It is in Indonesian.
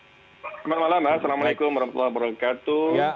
selamat malam assalamualaikum warahmatullahi wabarakatuh